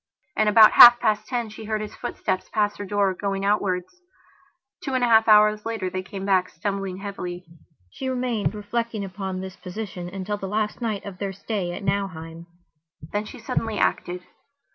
And about half past ten she heard his footsteps pass her door, going outwards. Two and a half hours later they came back, stumbling heavily. She remained, reflecting upon this position until the last night of their stay at Nauheim. Then she suddenly acted.